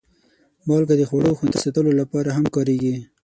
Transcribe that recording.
مالګه د خوړو خوندي ساتلو لپاره هم کارېږي.